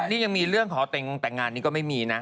นี่ยังมีเรื่องขอแต่งงานนี้ก็ไม่มีนะ